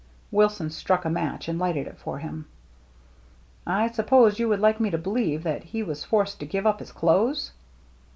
Wilson struck a match, and lighted it for him. "I suppose you would like me to believe that he was forced to give up his clothes?"